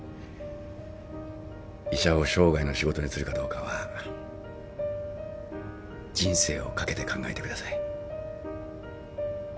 医者を生涯の仕事にするかどうかは人生を懸けて考えてください。